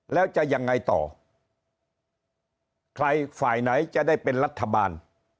แล้วจะยังไงต่อใครฝ่ายไหนจะได้เป็นรัฐบาล